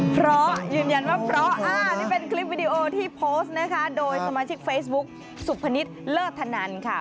เพราะยืนยันว่าเพราะอ่านี่เป็นคลิปวิดีโอที่โพสต์นะคะโดยสมาชิกเฟซบุ๊กสุพนิษฐ์เลิศธนันค่ะ